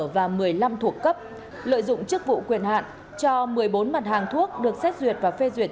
và một mươi năm thuộc cấp lợi dụng chức vụ quyền hạn cho một mươi bốn mặt hàng thuốc được xét duyệt và phê duyệt